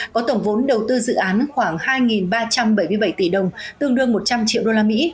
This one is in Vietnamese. có tổng vốn đầu tư dự án khoảng hai ba trăm bảy mươi bảy tỷ đồng tương đương một trăm linh triệu đô la mỹ